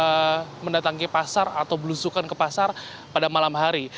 kemudian baru akan mendatangi pasar atau berusukan ke pasar pada malam hari